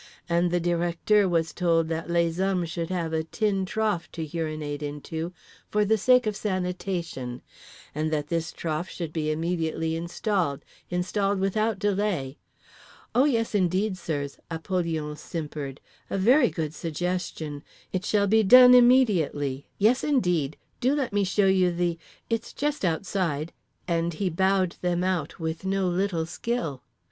And The Directeur was told that les hommes should have a tin trough to urinate into, for the sake of sanitation; and that this trough should be immediately installed, installed without delay—"O yes, indeed, sirs," Apollyon simpered, "a very good suggestion; it shall be done immediately: yes, indeed. Do let me show you the—it's just outside—" and he bowed them out with no little skill.